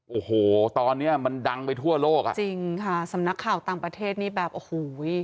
โอ้โหตอนเนี้ยมันดังไปทั่วโลกอ่ะจริงค่ะสำนักข่าวต่างประเทศนี่แบบโอ้โห